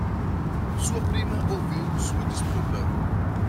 Sua prima ouviu sua disputa